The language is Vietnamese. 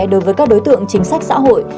đối với các đối tượng chính sách xã hội